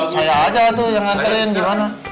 saya aja tuh yang nganterin gimana